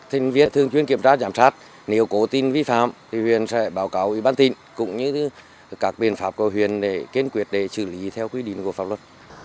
huyện sẽ báo cáo ubnd cũng như các biện pháp của huyện để kiến quyết để xử lý theo quyết định của pháp luật